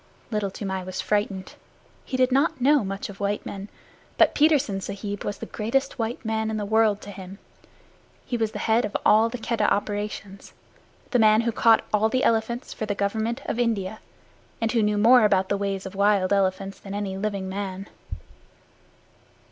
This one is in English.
Little Toomai was frightened. He did not know much of white men, but Petersen Sahib was the greatest white man in the world to him. He was the head of all the Keddah operations the man who caught all the elephants for the Government of India, and who knew more about the ways of elephants than any living man.